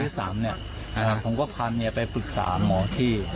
ที่สามเนี้ยอ่าฮะผมก็พาเมียไปปรึกษาหมอที่